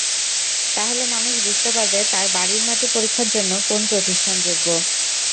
তাহলে মানুষ বুঝতে পারবে তার বাড়ির মাটি পরীক্ষার জন্য কোন প্রতিষ্ঠান যোগ্য।